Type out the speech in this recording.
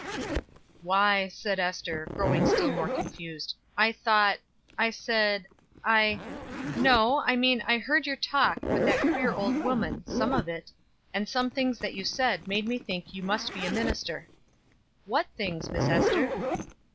"Why," said Ester, growing still more confused, "I thought I said I No, I mean I heard your talk with that queer old woman, some of it; and some things that you said made me think you must be a minister." "What things, Miss Ester?"